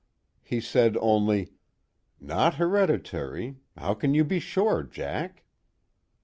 He said only: "Not hereditary how can you be sure, Jack?"